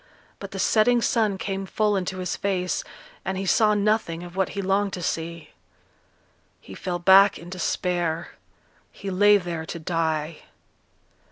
But the setting sun came full into his face, and he saw nothing of what he longed to see. He fell back in despair; he lay there to die.